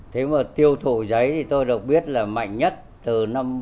thế mà tiêu thụ giấy thì tôi được biết là mạnh nhất từ năm bốn nghìn một trăm chín mươi tám